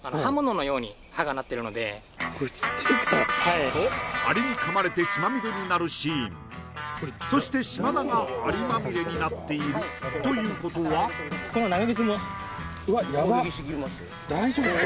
これちょっと手がはいとアリに噛まれて血まみれになるシーンそして島田がアリまみれになっているということはうわっヤバっ大丈夫っすか？